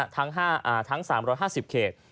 ทั้ง๓๕๐เขต